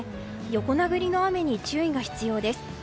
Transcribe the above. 横殴りの雨に注意が必要です。